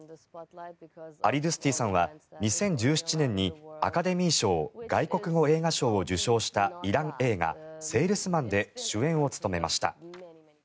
アリドゥスティさんは２０１７年にアカデミー賞外国語映画賞を受賞したイラン映画「セールスマン」で主演を務めました。